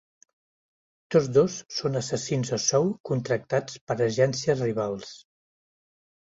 Tots dos són assassins a sou contractats per agències rivals.